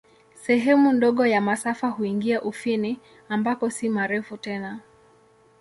Sehemu ndogo ya masafa huingia Ufini, ambako si marefu tena.